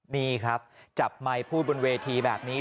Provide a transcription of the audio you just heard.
นี่ครับจับไมค์พูดบนเวทีแบบนี้